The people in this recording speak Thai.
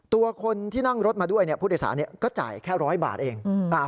ตัวคนที่นั่งรถมาด้วยผู้โดยสารก็จ่ายแค่๑๐๐บาทเอง